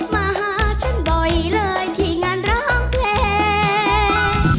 มาหาฉันบ่อยเลยที่งานร้องเพลง